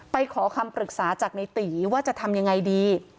ขอคำปรึกษาจากในตีว่าจะทำยังไงดี